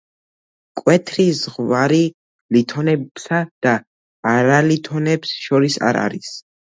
მკვეთრი ზღვარი ლითონებსა და არალითონებს შორის არ არის.